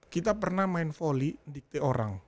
kita pernah main volley dikti orang